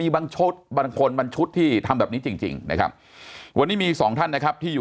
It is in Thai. บางชุดบางคนบางชุดที่ทำแบบนี้จริงนะครับวันนี้มีสองท่านนะครับที่อยู่